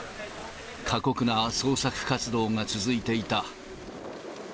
過酷な捜索活動が続いていた。